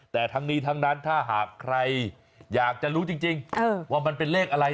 แต่ทั้งนี้ทั้งนั้นถ้าหากใครอยากจะรู้จริงว่ามันเป็นเลขอะไร